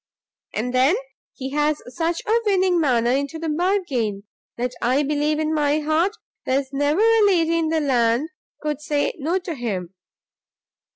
And then he has such a winning manner into the bargain, that I believe in my heart there's never a lady in the land could say no to him.